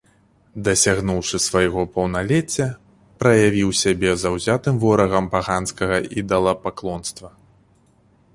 Дасягнуўшы свайго паўналецця, праявіў сябе заўзятым ворагам паганскага ідалапаклонства.